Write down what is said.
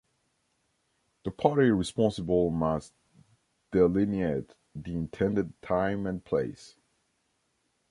The party responsible must delineate the intended time and place.